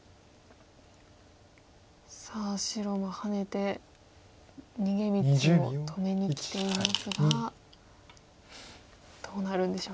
さあ白はハネて逃げ道を止めにきていますがどうなるんでしょうか。